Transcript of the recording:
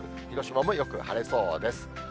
広島もよく晴れそうです。